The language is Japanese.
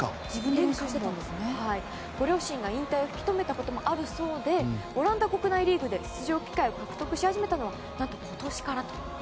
ご両親が引退を引き留めたこともあるそうでオランダ国内リーグで出場機会を獲得し始めたのは何と今年からと。